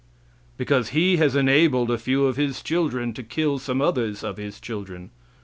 Because He has enabled a few of His children to kill some others of His children.